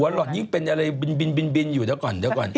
หัวหลอดนี้เป็นอะไรบินอยู่เดี๋ยวก่อน